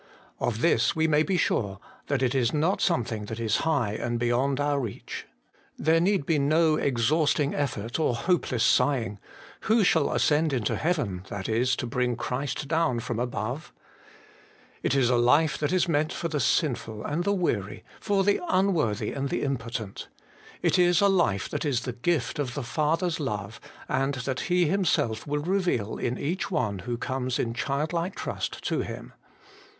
Of this we may be sure, that it is not something that is high and beyond our reach. There need be no exhausting effort or hopeless sighing, ' Who shall ascend into heaven, that is, to bring Christ down from above ?' It is a life that is meant for the sinful and the weary, for the unworthy and the impotent. It is a life that is the gift of the Father's love, and that He Himself will reveal in each one who comes in childlike trust to Him.